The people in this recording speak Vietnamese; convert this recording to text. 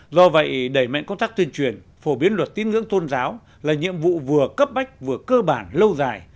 do vậy đẩy mạnh công tác tuyên truyền phổ biến luật tiếng ngưỡng tôn giáo là nhiệm vụ vừa cấp bách vừa cơ bản lâu dài